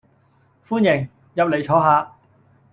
歡迎，入嚟坐下